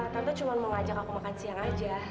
tante cuma mau ngajak aku makan siang aja